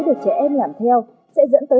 được trẻ em làm theo sẽ dẫn tới